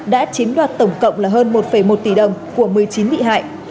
đã chiếm đoạt tổng cộng là hơn một một tỷ đồng của một mươi chín bị hại